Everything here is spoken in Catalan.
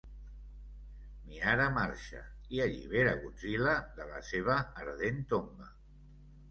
Mihara marxa i allibera Godzilla de la seva ardent tomba.